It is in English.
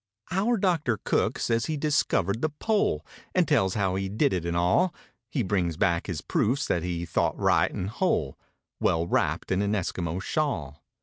Our Doctor Cook says he discovered the pole. And tells how he did it and all; He brings back his proofs that he thought right and whole— Well wrapped in an Eskimo shawl.